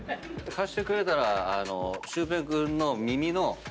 貸してくれたらシュウペイ君の耳の。